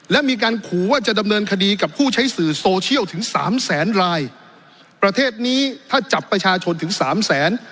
และมีการขู่ว่าจะดำเนินคดีกับผู้ใช้สื่อโซเชียลถึงสามแสนรายประเทศนี้ถ้าจับประชาชนถึงสามแสน